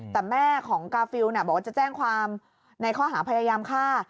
แต่แม่ของกาฟิลบอกว่าจะแจ้งความในข้อหาพยายามฆ่า